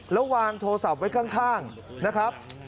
แล้ววางโทรศัพท์ไว้ข้างนะครับ